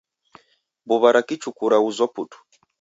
Mbuwa ra kichuku rauzwa putu